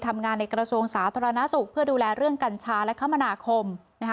ทำงานในกระทรวงสาธารณสุขเพื่อดูแลเรื่องกัญชาและคมนาคม